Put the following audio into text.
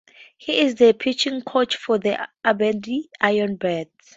He is the pitching coach for the Aberdeen IronBirds.